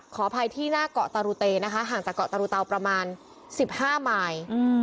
ขอภัยที่หน้าเกาะตะรุเต๋ห่างจากเกาะตะรุเต๋ประมาณ๑๕ไมล์